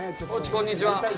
こんにちは。